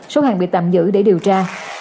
số hàng bị tạm giữ để điều tra